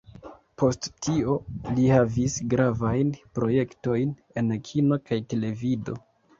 Post tio li havis gravajn projektojn en kino kaj televido.